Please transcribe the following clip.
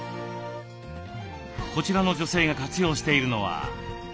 こちらの女性が活用しているのは。